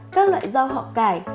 sáu các loại rau họ cải